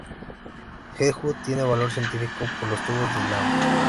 Jeju tiene valor científico por sus tubos de lava.